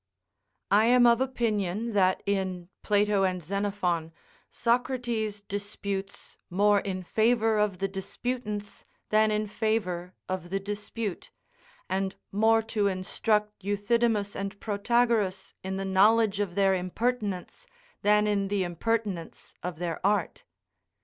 I am of opinion that in, Plato and Xenophon Socrates disputes more in favour of the disputants than in favour of the dispute, and more to instruct Euthydemus and Protagoras in the, knowledge of their impertinence, than in the impertinence of their art.